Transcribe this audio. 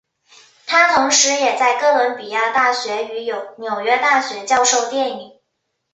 他同时也在哥伦比亚大学与纽约大学教授电影。